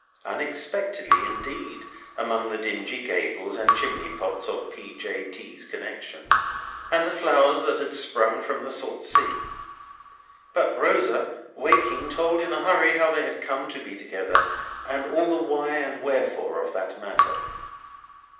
Unexpectedly indeed, among the dingy gables and chimney pots of P. J. T."s connection, and the flowers that had sprung from the salt sea. But Rosa, waking, told in a hurry how they came to be together, and all the why and wherefore of that matter.